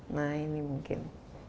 nah ini mungkin